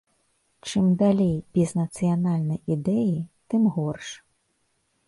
Чым далей без нацыянальнай ідэі, тым горш.